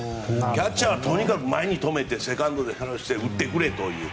キャッチャーはとにかく前に止めてセカンドとかに投げて、そして打ってくれという。